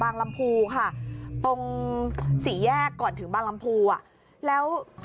งั้นผมบอกแล้ว